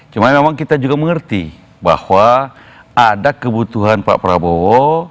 cuma memang kita juga mengerti bahwa ada kebutuhan pak prabowo